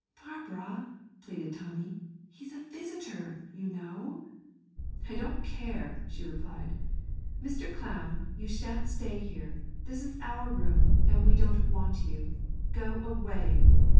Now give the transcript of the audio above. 'Barbara,' pleaded Tommy, 'he's a visitor, you know!' 'I don't care,' she replied. 'Mr. Clown, you shan't stay here; this is our room, and we don't want you. Go away!'